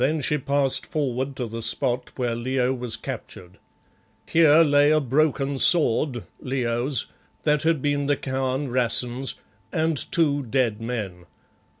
Then she passed forward to the spot where Leo was captured. Here lay a broken sword Leo's that had been the Khan Rassen's, and two dead men.